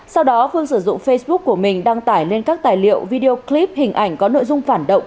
sau đó phương sử dụng facebook của mình đăng tải lên các tài liệu video clip hình ảnh có nội dung phản động